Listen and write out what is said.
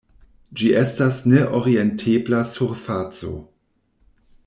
Ĝi estas ne-orientebla surfaco.